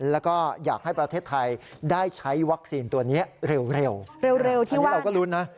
แล้วก็อยากให้ประเทศไทยได้ใช้วัคซีนตัวเนี้ยเร็วเร็วเร็วเร็วที่ว่า